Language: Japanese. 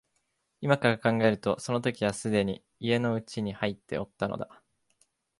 今から考えるとその時はすでに家の内に入っておったのだ